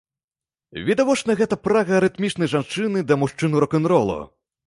Відавочна, гэта прага арытмічнай жанчыны да мужчын рок-н-ролу.